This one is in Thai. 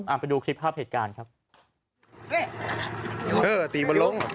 อ่านไปดูคลิปภาพเหตุการณ์ครับ